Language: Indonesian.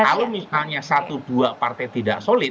kalau misalnya satu dua partai tidak solid